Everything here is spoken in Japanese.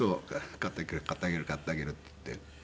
「買ってあげる買ってあげる買ってあげる」って言って。